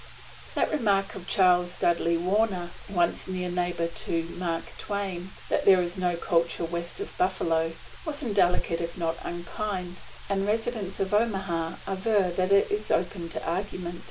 That remark of Charles Dudley Warner, once near neighbor to Mark Twain, that there is no culture west of Buffalo, was indelicate if not unkind; and residents of Omaha aver that it is open to argument.